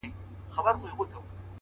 هوښیار انسان د احساساتو لار سموي,